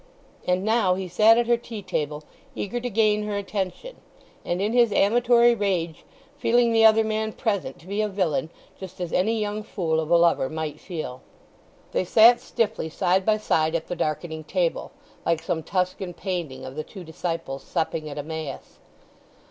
And now he sat at her tea table eager to gain her attention, and in his amatory rage feeling the other man present to be a villain, just as any young fool of a lover might feel. They sat stiffly side by side at the darkening table, like some Tuscan painting of the two disciples supping at Emmaus.